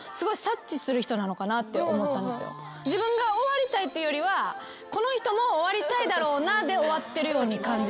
自分が終わりたいっていうよりはこの人もう終わりたいだろうなで終わってるように感じる。